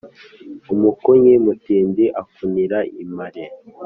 umukunnyi mutindi akunira impare.